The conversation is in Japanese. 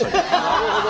なるほど。